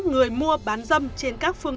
người mua bán dâm trên các phương